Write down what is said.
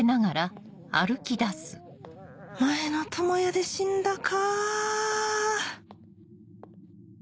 前野朋哉で死んだか！